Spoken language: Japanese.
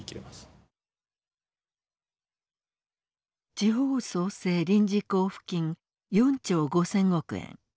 地方創生臨時交付金４兆５，０００億円。